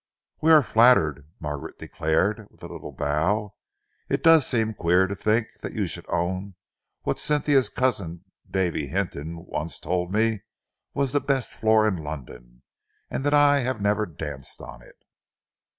"We are flattered," Margaret declared, with a little bow. "It does seem queer to think that you should own what Cynthia's cousin, Davy Hinton, once told me was the best floor in London, and that I have never danced on it."